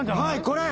これ！